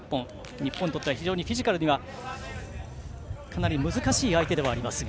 日本にとっては非常にフィジカルではかなり難しい相手ではありますが。